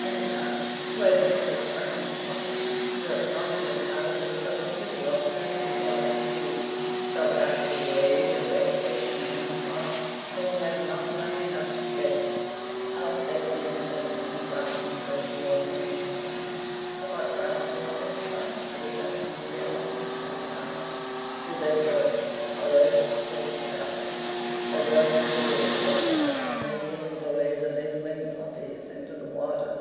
And Harry, who had no such sum in his pocket (for his half year's salary was always pretty well spent before it was due), fell back with rage and vexation in his heart that he had not money enough to stake. "I'll stake the young gentleman a crown," says the Lord Mohun's captain. "I thought crowns were rather scarce with the gentlemen of the army," says Harry. "Do they birch at College?" says the Captain. "They birch fools," says Harry, "and they cane bullies, and they fling puppies into the water."